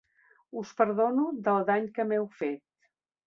Us perdono del dany que m'heu fet.